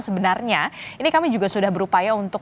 sebenarnya ini kami juga sudah berupaya untuk